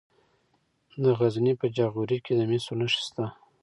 د غزني په جاغوري کې د مسو نښې شته.